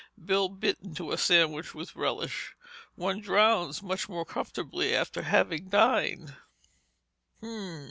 Bill bit into a sandwich with relish, "One drowns much more comfortably after having dined."